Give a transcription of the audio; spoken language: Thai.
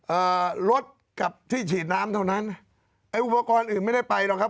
เอ่อรถกับที่ฉีดน้ำเท่านั้นไอ้อุปกรณ์อื่นไม่ได้ไปหรอกครับ